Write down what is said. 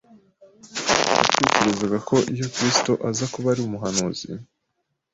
Yatekerezaga ko iyo K risto aza kuba ari umuhanuzi